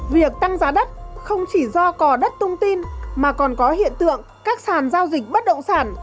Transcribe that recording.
việc tăng giá đất không chỉ do cò đất tung tin mà còn có hiện tượng các sàn giao dịch bất động sản